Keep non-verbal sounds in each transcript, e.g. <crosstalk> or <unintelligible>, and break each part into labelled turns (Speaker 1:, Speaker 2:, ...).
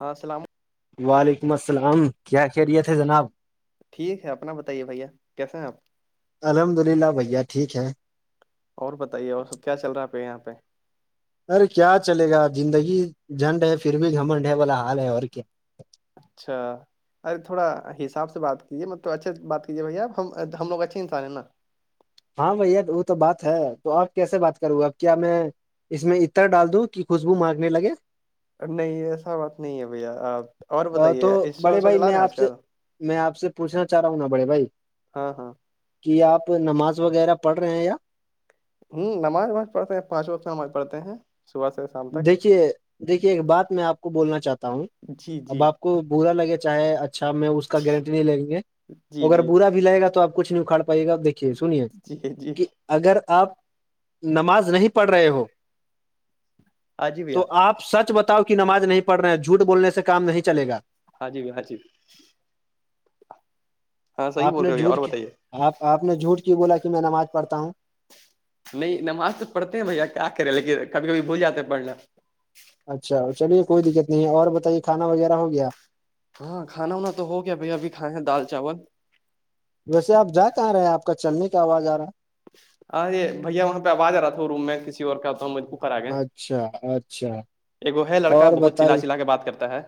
Speaker 1: ہاں سلام
Speaker 2: وعلیکم السلام کیا خیریت ہے جناب
Speaker 1: ٹھیک ہے اپنا بتائیے بھیا کیسے ہیں آپ
Speaker 2: الحمد للہ بھیا ٹھیک ہے
Speaker 1: اور بتائیے اور سب کیا چل رہا آپ یہاں پہ
Speaker 2: ارے کیا چلے گا زندگی جھنڈ ہے پھر بھی گھمنڈ ہے با حال ہے اور کیا
Speaker 1: اچھا ارے تھوڑا حساب سے بات کیجیے مطل تو اچھے سے بات کیجیے بھیا آپ ہم ہم لوگ اچھے انسان ہیں نا
Speaker 2: ہاں بھیا وہ تو بات ہے تو آپ کیسے بات کروں اب کیا میں اس میں اتر ڈال دوں کہ ک خوشبو مانگنے لگے
Speaker 1: نہیں ایسا بات نہیں ہے بھیا آپ اور
Speaker 2: تو
Speaker 1: بتائیے انسٹا
Speaker 2: بڑے
Speaker 1: وسٹا
Speaker 2: بھائی
Speaker 1: چلا
Speaker 2: میں
Speaker 1: رہے ہیں
Speaker 2: آپ
Speaker 1: آج
Speaker 2: سے
Speaker 1: کل
Speaker 2: میں آپ سے پوچھنا چاہ رہا ہوں نا بڑے بھائی
Speaker 1: ہاں ہاں
Speaker 2: کہ آپ نماز وغیرہ پڑھ رہے ہیں یا
Speaker 1: ہوں نماز نماز پڑھتے ہیں پانچ وقت نماز پڑھتے ہیں صبح سے شام تک
Speaker 2: دیکھیے دیکھیے ایک بات میں آپ کو بولنا چاہتا ہوں
Speaker 1: جی
Speaker 2: اب
Speaker 1: جی
Speaker 2: آپ کو برا لگے چاہے اچھا میں اس کا گارنٹی نہیں لیں گے
Speaker 1: جی
Speaker 2: اگر
Speaker 1: جی
Speaker 2: برا بھی لے گا تو آ کچھ نہیں اکھاڑ پئیے گا آپ دیکھیے سنیے
Speaker 1: جی جی
Speaker 2: کہ اگر آپ نماز نہیں پڑھ رہے ہو
Speaker 1: ہاں جی بھیا
Speaker 2: تو آپ سچ بتاؤ کہ نماز نہیں پڑھ رہے ہیں جھوٹ بولنے سے کام نہیں چلے گا
Speaker 1: ہاں جی بھیا ہا جی ہاں صحیح
Speaker 2: آپ
Speaker 1: بول
Speaker 2: نے
Speaker 1: رہے ہو بھیا اور
Speaker 2: جھوٹ کی
Speaker 1: بتائیے
Speaker 2: آپ آپ نے جھوٹ کیوں بولا کہ میں نماز پڑھتا ہوں
Speaker 1: نہیں نماز تو پڑھتے ہیں بھیا کیا کریں لیکن کبھی کبھی بھول جاتے ہیں پڑنا
Speaker 2: اچھا چلیے کوئی دقت نہیں ہے اور بتائیے کھانا وغیرہ ہو گیا
Speaker 1: ہاں کھانا وانا تو ہو گیا بھائی ابھی کھائے ہیں دال چاول
Speaker 2: ویسے آپ جا کہاں رہے ہیں آپ کا چلنے کا آواز آ رہا ہے
Speaker 1: ہاںے بھیا وہاں پہ آواز آ رہا تھا وہ روم میں کسی اور کہتا ہوںے اوپر آ گیا
Speaker 2: ہے۔ اچھا اچھا
Speaker 1: ایک وہ ہے لڑکا
Speaker 2: اور
Speaker 1: بہت چلا
Speaker 2: بتائی
Speaker 1: چلا کے بات کرتا ہے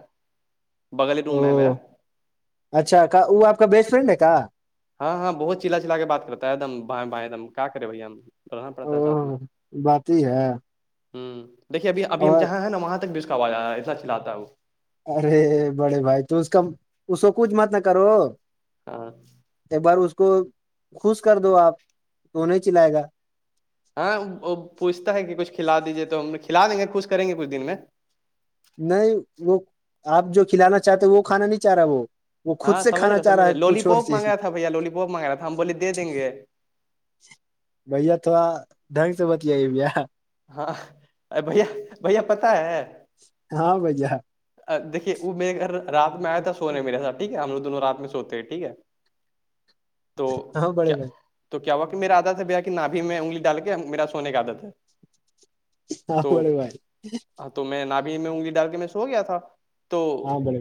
Speaker 1: بغل
Speaker 2: او
Speaker 1: روم میں ہے میرا
Speaker 2: اچھا وہ آپ کا بیسٹ فرینڈ ہے کیا
Speaker 1: ہاں ہاں بہت چلا چلا کے بات کرتا ہے ایک دم بھ بائیں ایک دم کیا کرے بھیا ہم رہنا پڑتا ہے ساتھ میں
Speaker 2: او بات ہی ہے
Speaker 1: ہ دیکھیے ابھی ابھی ہم
Speaker 2: اور
Speaker 1: جہاں ہے نا وہاں تک جا ایسا چھلاتا ہے وہ
Speaker 2: ارے بڑے بھائی تو اس کا اس کو کچھ مت نہ کرو
Speaker 1: ہاں
Speaker 2: ایک بار اس کو خوش کر دو آپ تو نہیں چلائے گا
Speaker 1: ہاں وہ پوچھتا ہے کہ کچھ کھلا دیجیے تو ہم کھلا دیں گے کچھ کریں گے کچھ دن میں
Speaker 2: نہیں وہ آپ جو کھلانا چاہتے وہ کھانا نہیں چاہ رہا وہ وہ خود
Speaker 1: ہاں
Speaker 2: سے کھانا چاہ رہا
Speaker 1: سمجھامجھ
Speaker 2: ہے
Speaker 1: لولی
Speaker 2: کچھ اور
Speaker 1: پوپ مانگ
Speaker 2: چیز
Speaker 1: رہا تھا بھیا لولیپوپ مانگ رہا تھا ہم بولےیں گے
Speaker 2: بھیا تھوڑا ڈھنگ سے بتیائی بھیا
Speaker 1: ہاں ا بھیا بھیا پتا ہے
Speaker 2: ہاں بھائی جان
Speaker 1: یکھیے وہ میرے گھر رات میں آیا تھا سونے میرے سھ ٹھیک ہے ہم لو دونوں رات میں سوتے ہیں ٹھیک ہے تو
Speaker 2: ہاں بڑے
Speaker 1: کیا
Speaker 2: بھائی
Speaker 1: تو کیا ہوا کہ میری عادت ہے بیا کہ نابھی میں انگلی ڈال کے میرا سونے کی عادت ہے
Speaker 2: ہاں
Speaker 1: تو
Speaker 2: بڑھے بھائی
Speaker 1: ہاں تو میں نابی میں ہوں گی ڈر کے میں سو گیا تھا تو
Speaker 2: ہاں بڑے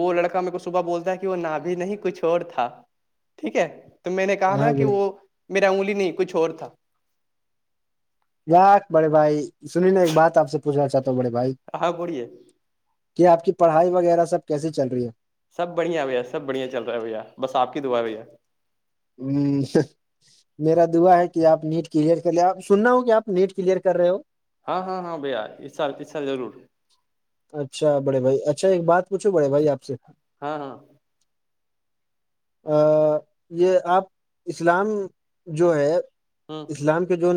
Speaker 1: وہ لڑکا میرے کو صبح بولتا ہے کہ وہ نا بھی نہیں کچھ اور تھا ٹھیک ہے تو میں نے کہا نا
Speaker 2: ہاں
Speaker 1: کہ
Speaker 2: بڑے
Speaker 1: وہ میرا انگلی نہیں کچھ اور تھا
Speaker 2: بڑے بھائی سنی نا ایک بات آپ سے پوچھنا چاہتا ہوں بڑے بھائی
Speaker 1: آ پڑیے
Speaker 2: کہ آپ کی پڑھائی وغیرہ سب کیسی چل رہی ہے
Speaker 1: سب بڑھیا بھیا سب بڑھیا چل رہا ہے بھیا بس آپ کی دعا بھیا
Speaker 2: ہ میرا دعا ہے کہ آپ نیٹ کلیئر کر لے آپ سننا ہو کہ آپ نیٹ کلیئر کر رہے ہو
Speaker 1: ہاں ہاں ہاں بھیا یہ سر اس سر ضرور
Speaker 2: اچھا بڑے بھائی اچھا ایک بات پوچھو بڑے بھائی آپ سے
Speaker 1: ہاں ہاں
Speaker 2: یہ آپ اسلام جو ہے
Speaker 1: ہ
Speaker 2: اسلام کے جو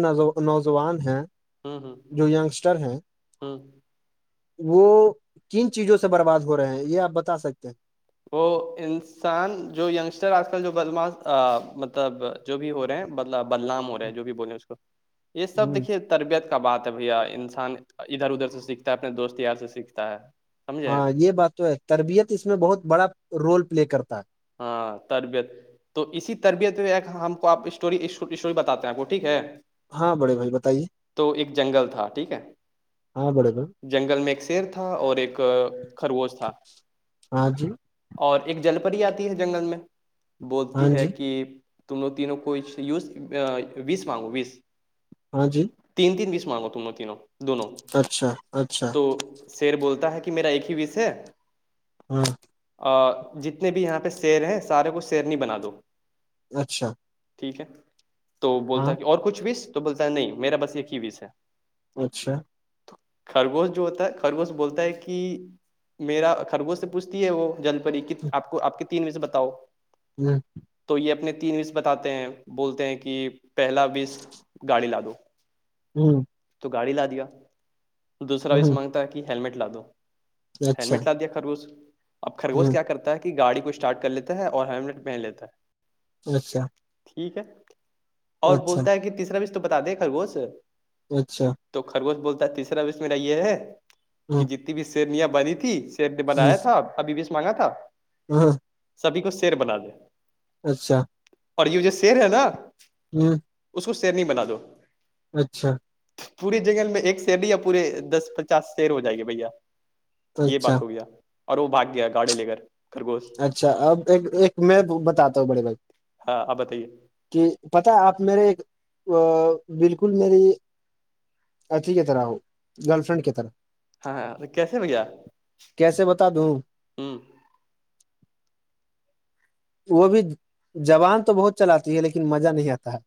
Speaker 2: نوجوان ہیں
Speaker 1: ہوں ہوں
Speaker 2: جو ینگسٹر ہیں
Speaker 1: ہوں
Speaker 2: وہ کن چیزوں سے برباد ہو رہے ہیں یہ آپ بتا سکتے ہیں
Speaker 1: وہ انسان جو ینگسٹر آج کل جو بدماش مطلب جو بھی ہو رہے ہیں بدلا بدنام ہو رہا ہے جو بھی بولے اس کو یہ سب
Speaker 2: ہ
Speaker 1: دیکھیے تربیت کا بات ہے بھیا انسان ادھر ادھر سے سیکھتا ہے اپنے دوست یار سے سیکھتا ہے سمجھے
Speaker 2: ہاں یہ بات تو ہے تربیت اس میں بہت بڑا رول پلے کرتا ہے
Speaker 1: ہاں تربیت تو اسی تربیت پہ ایک ہم کو آپ اسٹوری اسٹوری بتات ہیں آپ کو ٹھیک ہے
Speaker 2: ہاں بڑے بھائی بتائیے
Speaker 1: تو ایک جنگل تھا ٹھیک ہے
Speaker 2: ہاں بڑے گ
Speaker 1: جنگل میں ایک شیر تھا اور ایک خرگوش تھا
Speaker 2: ہاں جی
Speaker 1: اور ایک جل پری آتی ہے جنگل میں
Speaker 2: ہاں
Speaker 1: بولتی ہے
Speaker 2: جی
Speaker 1: کہ ت ت کوئی یوز وس مانگو وس
Speaker 2: ہاں جی
Speaker 1: تین تین بیس مارگو تم تینوں دونوں
Speaker 2: اچھا اچھا
Speaker 1: تو شیر بولتا ہے کہ میرا ایک ہی وس ہے
Speaker 2: ہاں
Speaker 1: جتنے بھی یہاں پہ سیر ہیں سارے کو سیرنی بنا دو
Speaker 2: اچھا
Speaker 1: ٹھیک ہے تو بولتا
Speaker 2: ہاں
Speaker 1: ہے کہ اور کچھ وس تو بولتا ہے نہیں میرا بس ایک ہی وس ہے
Speaker 2: اچھا
Speaker 1: تو خرگوش جو ہوتا ہے خرگوش بولتا ہے کہ میرا خرگو سے پوچھتی ہے وہ جل پری کہ آپ کو آپ کے تین وجزے بتاؤ
Speaker 2: جی
Speaker 1: تو یہ اپنے تین وس بتاتے ہیں بولتے ہیں کہ پہلا وس گاڑی ل دو
Speaker 2: ہوں
Speaker 1: تو گاڑی لا دیا دوسرا اس
Speaker 2: ہ
Speaker 1: مانگتا ہے کہ ہیللمٹ لا دو
Speaker 2: اچھا
Speaker 1: ہیلمٹ لا دیا خرگوز اب خرگوز
Speaker 2: ہ
Speaker 1: کیا کرتا ہے کہ گاڑی کچ چارٹ کر لیتا ہے اور ہیملٹ پہن لیتا ہے
Speaker 2: اچھا
Speaker 1: ٹھیک ہے اور
Speaker 2: اچھا
Speaker 1: بولتا ہے کہ تیسرا بھیش تو بتا دے خرگوش
Speaker 2: اچھا
Speaker 1: تو خرگوش بولتا تیسرا وش میرا یہ ہے کہ
Speaker 2: ہ
Speaker 1: جتنی بھی سیرنیاں بنی تھی
Speaker 2: ہ
Speaker 1: بنایا تھا ابھی بیس مانگا تھا
Speaker 2: ہ
Speaker 1: سبھی کو سیر بنا دے
Speaker 2: اچھا
Speaker 1: اور یہ جو شیر ہے نا
Speaker 2: ہوں
Speaker 1: اس کو سیر نہیں بنا دو
Speaker 2: اچھا
Speaker 1: پورے جنگن میں ایک سیر یا پورے دس پچاس سیر ہو جائے گے بھیا یہ
Speaker 2: اچھا
Speaker 1: بات ہو گیا اور وہ بھاگ گیا گاڑی لے کر خرگوش سے
Speaker 2: اچھا اب ایک ایک میں بتاتا ہوں بڑے بھائی
Speaker 1: ہاں آپ بتائیے
Speaker 2: کہ پت آپ میرے بالکل میری اچھی کی طرح ہو گرل فرینڈ کی طرح
Speaker 1: ہاں ہاں تو کیسے میں گیا
Speaker 2: کیسے بتا دوں
Speaker 1: ہ
Speaker 2: وہ بھی زبان تو بہت چلاتی ہے لیکن مزہ نہیں آتا ہے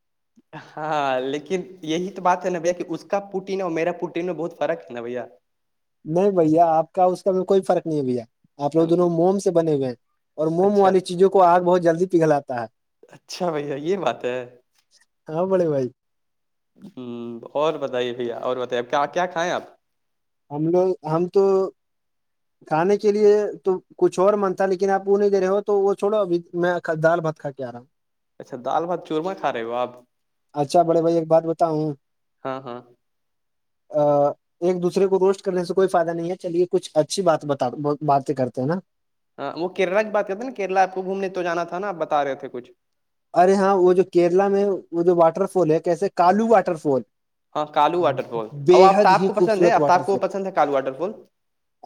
Speaker 1: ہاں لیکن یہی تو بات ہے نبھیا کہ اس کا پوٹین اور میرا پٹین میں بہت فرق ہے نوھیا
Speaker 2: نہیں بھیا آپ کا اس کا میں کوئی فرق نہیں ہے بھیا آ لوگ دونوں موم سے بنے ہوئے ہیں اور موم
Speaker 1: اچھا
Speaker 2: والی چیزوں کو آگ بہت جلدی پگلاتا ہے
Speaker 1: اچھا بھیا یہ بات ہے
Speaker 2: ہاں بڑے بائی
Speaker 1: ہ اور بتائیے بھیا اور بتائیے کیا کھائیں آپ
Speaker 2: ہم لوگ ہم تو کھانے کے لیے تو کچھ اور من تھا لیکن آپ وہ نہیں دے رہے ہو تو وہ چھڑو اب میں دال بت کا کے آ رہا
Speaker 1: اچھا دال بھات چورما کھا رہے ہو آپ
Speaker 2: اچھا بڑے بھائی ایک بات بتاؤوں
Speaker 1: ہاں ہاں
Speaker 2: ا ایک دوسرے کو روسٹ کرنے سے کوئی فائدہ نہیں ہے چلیے کچھ اچھی بات ب باتیں کرتے ہیں نا
Speaker 1: ہاں وہ کیرلا کی بات کرتے نا کیرلا آپ کو گھومنے تو جانا تھا نا آ بتا رہے تھے کچھ
Speaker 2: ارے ہاں وہ جو کیرلا میں وہ جو واٹر فال ہے کیسے کالو واٹر فال
Speaker 1: ہاں کالو واٹر فال اور
Speaker 2: بےحد
Speaker 1: آفتاب
Speaker 2: ہی
Speaker 1: کو پسند ہے
Speaker 2: خوبصورت
Speaker 1: آفتاب
Speaker 2: واٹر
Speaker 1: کو
Speaker 2: فال
Speaker 1: پسند ہے کالو واٹر فال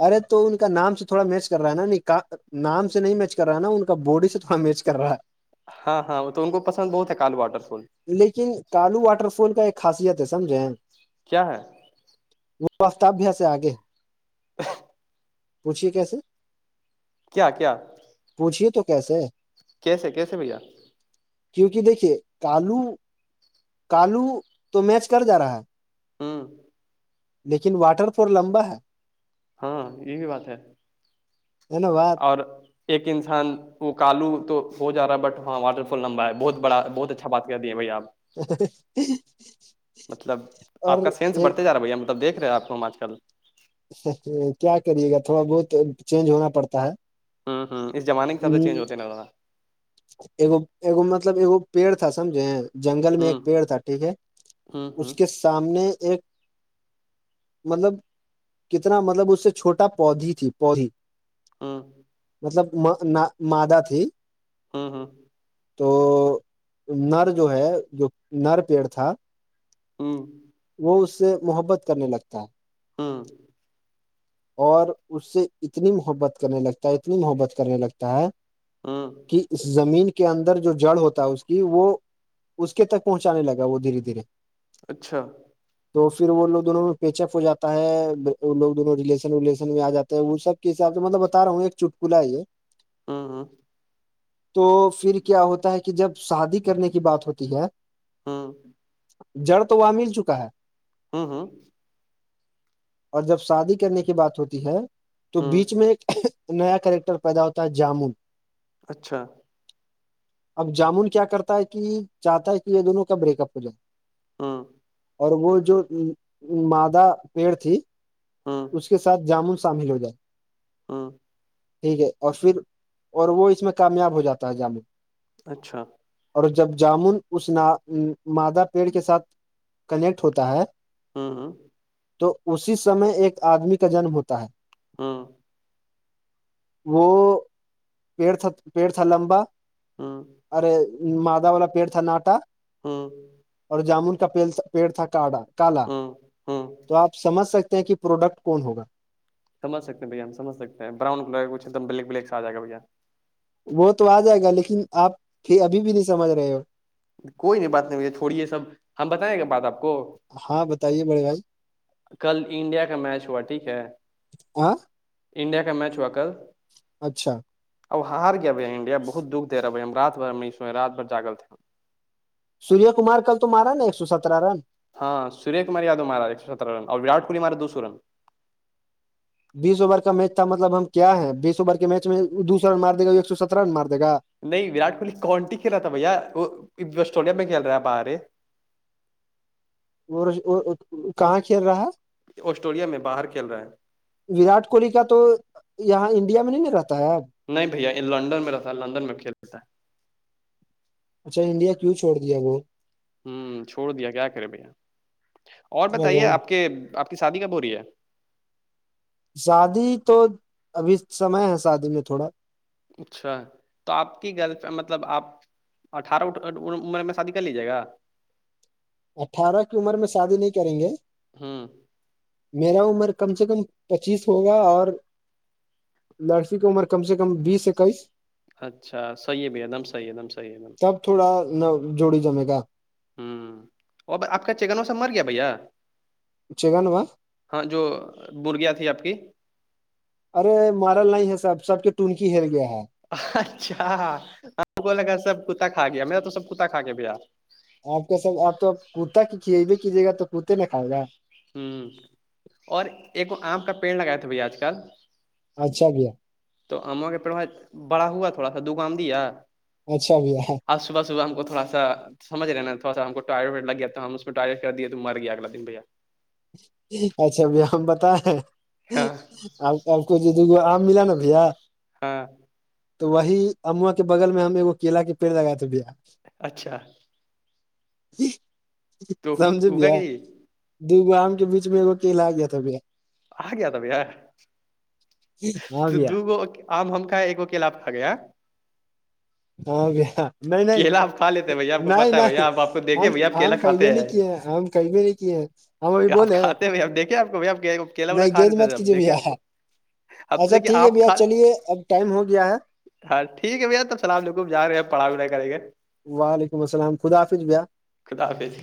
Speaker 2: ارے تو ان کا نام سے تھوڑا میچ کر رہا ہے نا نہیں نام سے نہیں میچ کر رہا ہے نا ان کا باڈی سے تھوڑا میچ کر رہا ہے
Speaker 1: ہاں ہاں وہ تو ان کو پسند بہت ہے کالو واٹر فال
Speaker 2: لیکن کالو واٹر فال کا ایک خاصیت ہے سمجھے
Speaker 1: کیا ہے
Speaker 2: وہ آفتاب بھییا سے آگے
Speaker 1: ا
Speaker 2: پوچھیے کیسے
Speaker 1: کیا کیا
Speaker 2: پوچھیے تو کیسے
Speaker 1: کیسے کیسے بھیا
Speaker 2: کیونکہ دیکھیے کالو کالو تو میچ کر جا رہا ہے
Speaker 1: ہاں
Speaker 2: لیکن واٹر فول لمبا ہے
Speaker 1: ہاں یہ بھی بات ہے
Speaker 2: اینوا
Speaker 1: اور ایک انسان وہ کالو تو ہو جا رہا ہے بٹ ہاں واٹر فال لمبا ہے بہت بڑا بہت اچھا بات کر دیے بھائی آپ مطلب آپ
Speaker 2: اور
Speaker 1: کا سینس
Speaker 2: ایک
Speaker 1: بڑھتے جا رہا بھیا م ب دیک رہے ہیں آپ کو ہم آج کل
Speaker 2: کیا کریے گا تھوڑا بہت چینج ہونا پڑتا ہے
Speaker 1: ہوں ہوں اس زمانے کے سب سے چینج ہوتے ناا
Speaker 2: اگو اگو مطلب ایکگ پیڑ تھا سمجھے جنگل میں
Speaker 1: ہوں
Speaker 2: ایک پیڑ تھا ٹھیک ہے
Speaker 1: ہوں ہوں
Speaker 2: اس کے سامنے ایک مطلب کتنا مطلب اس سے چھوٹا پودھی تھی پودی
Speaker 1: ہاں
Speaker 2: مطلب مادا تھی
Speaker 1: ہاں ہاں <inaudible>
Speaker 2: تو نر جو ہے جو نر پیڑ تھا
Speaker 1: ہوں
Speaker 2: اس سے محبت کرنے لگتا ہے
Speaker 1: ہاں
Speaker 2: اور اس سے اتنی محبت کرنے لگتا ہے اتنی محبت کرنے لگتا ہے
Speaker 1: ہاں
Speaker 2: اس زمین کے اندر جو جڑ ہوتا ہے اس کی وہ اس کے تک پہنچانے لگا وہ دھیرے دھیرے
Speaker 1: اچھا
Speaker 2: تو پھر وہ لوگ دونوں میں پیچ اپ ہو جاتا ہے وہ لوگونوں ریشن ولیشن میں آ جاتے ہیں وہ سب کے حساب سے مطلب بتا رہا ہوں ایک چٹکلا ہے یہ
Speaker 1: ہاں ہاں
Speaker 2: تو پھر کیا ہوتا ہے کہ جب شادی کرنے کی بات ہوتی ہے
Speaker 1: ہاں <unintelligible>
Speaker 2: جڑ تو وہاں مل چکا ہے
Speaker 1: ہوں ہوں
Speaker 2: اور جب شادی کرنے کی بات ہوتی ہے تو
Speaker 1: ہوں
Speaker 2: بیچ میں ایک نیا کرریکٹر پیدا ہوتا ہے جامن
Speaker 1: اچھا
Speaker 2: اب جامن کیا کرتا ہے کہ چاہتا ہے کہ یہ دونوں کا بریک اپ ہو جائے
Speaker 1: ہوں
Speaker 2: اور وہ جو مادہ پیڑ تھی
Speaker 1: ہاں
Speaker 2: اس کے ساتھ جامن شامل ہو جائے
Speaker 1: ہاں
Speaker 2: ٹھیک ہے اور پھر اور وہ اس میں کامیاب ہو جاتا ہے جموں
Speaker 1: اچھا
Speaker 2: اور جب جامن اس مادہ پیڑ کے ساتھ کنیکٹ ہوتا ہے
Speaker 1: ہاں ہاں
Speaker 2: تو اسی سمے ایک آدمی کا جنم ہوتا ہے
Speaker 1: ہاں
Speaker 2: وہ پڑ پیڑ تھا لمبا
Speaker 1: ہاں
Speaker 2: ارے مدا والا پیڑ تھا ناٹا
Speaker 1: ہاں <unintelligible>
Speaker 2: اور جامن کا پیل پیڑ تھا کاڈا کالا
Speaker 1: ہاں ہاں
Speaker 2: تو آ سمجھ سکتے ہیں کہ پروڈکٹ کون ہوگا
Speaker 1: سجھ ستے ہیںھیا ہم سج ستے ہیں بران کلر کچ ایک دم بلیک بلیک سے آ جائےا بھیا
Speaker 2: وہ تو آ جائے گا لیکن آپ پھر ابھی بھی نہیں سمجھ رہے ہو
Speaker 1: کوئی نہیں بات نہیں مجھے تھوڑی ہے سب ہم بتائیں گا بات آپ کو
Speaker 2: ہاں بتائیے بڑے بھائی
Speaker 1: کل انڈیا کا میچ ہوا ٹھیک ہے
Speaker 2: ہاں
Speaker 1: انڈیا کا میچ ہوا کل
Speaker 2: اچھا
Speaker 1: اب ہار گیا بھ انڈیا بہت دکھ د رہا بھائی ہم رات بھر ہم نہیں سئے رات بھر جاگل تھے ہم
Speaker 2: سوریہ کمار کل تو مارا نا ایک سو سترہ رن
Speaker 1: ہاں سوریہ کماریادو مارا ہے ایک ستر رن اورورٹ کوہلی مارے دو سو رن
Speaker 2: بیس اوور کا میچ تھا مطلب ہم کیا ہیں بیس اوور کے میچ میں دوسرا رن مار د گا ایک سو سترہ رن مار د گا
Speaker 1: نہیں وراٹ کوہلی کون سی کھیلا تھا بھیا وہ آسٹرولیا میں کھیل رہے آ باہرے
Speaker 2: کہاں کل رہا
Speaker 1: آسٹرولیا میں باہر کھیل رہا ہے
Speaker 2: وراٹ کوہلی کا تو یہاں انڈیا میں نہیں نک رہتا ہے اب
Speaker 1: نہیں بھیا یہ لندن میں رہتا لندن میں کھیل لیتا ہے
Speaker 2: اچھا انڈیا کیوں چھوڑ دیا وہ
Speaker 1: ہوں چھوڑ دیا کیا کرے بھیا اور بتائیے
Speaker 2: وہ
Speaker 1: آپ کے آپ کی شادی کب ہو رہی ہے
Speaker 2: شادی تو ابھی سمئے ہے شادی میں تھوڑا
Speaker 1: اچھا تو آپ کی گھر پ مطلب آپ اٹھارہ اھ عمر میں شادی کر لیجیے گا
Speaker 2: اٹھارہ کی عمر میں شادی نہیں کریں گے
Speaker 1: ہوں
Speaker 2: میرا عمر کم سے کم پچیس ہوگا اور لڑکی کی عمر کم سے کم بیس اکیس
Speaker 1: اچھا صحیح بھی ہے ایک دم صحیح ایک دمحیح ایک دم
Speaker 2: تب تھوڑا نہ جوڑی جمے گا
Speaker 1: ہوں اور آپ کا چکن و سب مر گیا بھیا
Speaker 2: چگن و
Speaker 1: ہاں جو برغیاں تھی آپ کی
Speaker 2: ارے مارل نہیں ہے سحب سب کے ٹونکی ہر گیا ہے
Speaker 1: اچھا کولاگا سب کتا کھا گیا میرا تو سب کتا کھا کےیا بیا
Speaker 2: آپ کے سب آپ تو اپ کتا کی کھے بھیے کیجیے گا تو کوتے نہ کھائے گا
Speaker 1: ہوں اور ایک آم کا پیڑ لگائے تھے بھائی آج کل
Speaker 2: اچھا بھیا
Speaker 1: تو اما کے پواج بڑا ہوا تھوڑا سا دو گ آم دیا
Speaker 2: اچھا بھیا
Speaker 1: آج صبح صبح ہم کو تھوڑا سا سمجھ رہے نا تھڑا سا ہم کو ٹوئلٹ لگ گیا تو ہم اس میں ٹوئلٹ کردیا پھر تو گیاگ دن بھیا
Speaker 2: اچھا ب ہم بتیں
Speaker 1: ہاں
Speaker 2: آپ تو آب کو جو دوگو آم ملا نا بھیا
Speaker 1: ہاں
Speaker 2: تو وہی اموا کے بغل میں ہم کیلا کے پیڑ لگائے تو بیا
Speaker 1: اچھا تو
Speaker 2: سمجھے
Speaker 1: اگا
Speaker 2: بھیا
Speaker 1: کہ نہیں
Speaker 2: دو گو آم کے بیچ میں کیلا آ گیا تھا پا
Speaker 1: آ گیا تھا بھیا
Speaker 2: ہاں
Speaker 1: تو
Speaker 2: بھیا
Speaker 1: دگو آم ہم کا ایک وہ قلاب کھا گیا
Speaker 2: ہاں ب نہیں نہیں
Speaker 1: کیلا آپ کھا لیتے ہیں بھیا آپ کو
Speaker 2: نہیں
Speaker 1: پتا ہے
Speaker 2: نہیں
Speaker 1: بھیا آپ آپ کو دیکھے بھیا آپ کیلا
Speaker 2: آم کہے
Speaker 1: کھاتے
Speaker 2: نہیں
Speaker 1: ہیں
Speaker 2: کہ کہیں بھی نہیں کیے ہیں ہم ابھی بولے
Speaker 1: کیا آپ کو بھی آ کہ کیلا ولا
Speaker 2: نہیں
Speaker 1: کھا
Speaker 2: گیند
Speaker 1: رہتا
Speaker 2: مت
Speaker 1: تھ اب
Speaker 2: کیجیے
Speaker 1: دیکھے
Speaker 2: بھیا
Speaker 1: آپ کو اب تو
Speaker 2: اچھا
Speaker 1: دیکھیے
Speaker 2: ٹھیک ہے
Speaker 1: آپ
Speaker 2: بھیا
Speaker 1: کھا
Speaker 2: چلیے اب ٹائم ہو گیا ہے
Speaker 1: ہاں ٹھیک ہے بھیا تب سلام لکوب جا رہے ہیں پڑھائی وڑھائی کریں گے
Speaker 2: وعلیکم السلام خدا حفظ بھیا
Speaker 1: خدا حافظ